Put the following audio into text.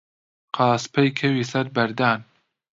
قاسپەی کەوی سەر بەردان